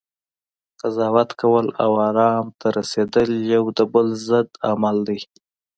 قضاوت کول، او ارام ته رسیدل یو د بل ضد عمل دی